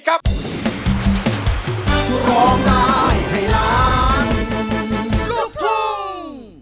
สวัสดีครับ